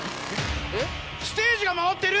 ステージが回っている！